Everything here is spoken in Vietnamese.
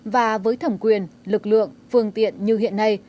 và với thẩm quyền lực lượng phương tiện như hiện nay